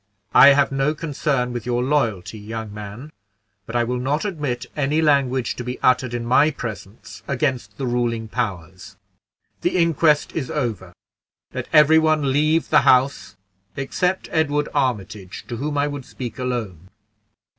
"I have no concern with your loyalty, young man, but I will not admit any language to be uttered in my presence against the ruling powers. The inquest is over. Let every one leave the house except Edward Armitage, to whom I would speak alone."